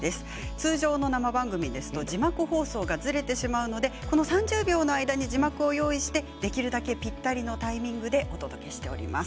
通常の生番組ですと字幕放送がずれてしまうのでこの３０秒の間に字幕を用意してできるだけぴったりのタイミングでお届けしております。